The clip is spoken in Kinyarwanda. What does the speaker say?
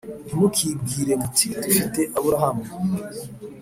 Ntimukibwire muti ‘Dufite Aburahamu,